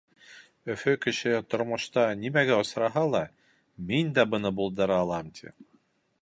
Өфө кешеһе тормошта нимәгә осраһа ла, «Мин дә быны булдыра алам!» — ти.